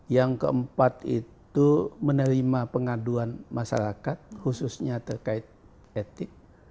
yang keempat itu menerima pengaduan masyarakat khususnya terkait etik